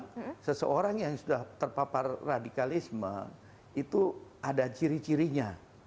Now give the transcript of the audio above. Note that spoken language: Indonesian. karena seseorang yang sudah terpapar radikalisme itu ada ciri cirinya